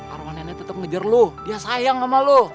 arwah nenek tetep ngejar lo dia sayang sama lo